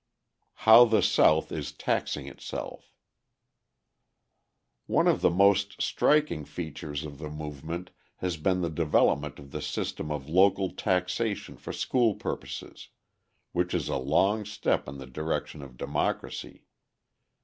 How the South Is Taxing Itself One of the most striking features of the movement has been the development of the system of local taxation for school purposes which is a long step in the direction of democracy.